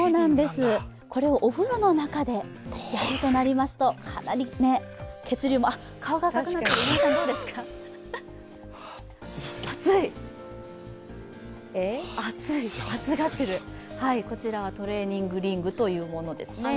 これをお風呂の中でやるとなりますと、血流も顔が赤く暑いこちらはトレーニングリングというものですね。